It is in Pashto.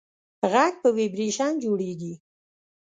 غږ په ویبرېشن جوړېږي.